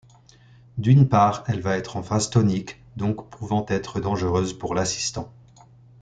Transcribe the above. D'une part elle va être en phase tonique, donc pouvant être dangereuse pour l'assistant.